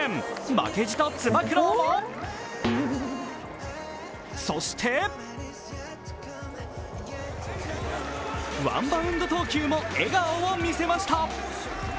負けじとつば九郎もそしてワンバウンド投球も笑顔を見せました。